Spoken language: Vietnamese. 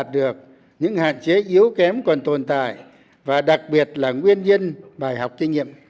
đạt được những hạn chế yếu kém còn tồn tại và đặc biệt là nguyên nhân bài học kinh nghiệm